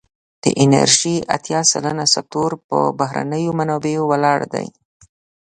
د انرژی اتیا سلنه سکتور پر بهرنیو منابعو ولاړ دی.